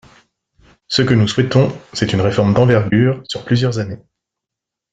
Ce que nous souhaitons, c’est une réforme d’envergure sur plusieurs années.